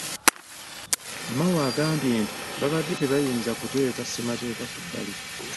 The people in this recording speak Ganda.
Mao agambye nti babadde tebayinza kuteeka ssemateeka ku bbali.